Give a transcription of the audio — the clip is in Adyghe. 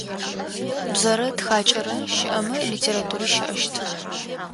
Бзэрэ тхакӏэрэ щыӏэмэ литератури щыӏэщт.